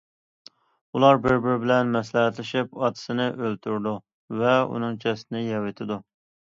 ئۇلار بىر- بىرى بىلەن مەسلىھەتلىشىپ، ئاتىسىنى ئۆلتۈرىدۇ ۋە ئۇنىڭ جەسىتىنى يەۋېتىدۇ.